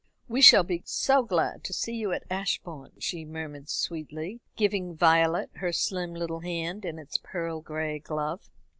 "We shall be so glad to see you at Ashbourne," she murmured sweetly, giving Violet her slim little hand in its pearl gray glove.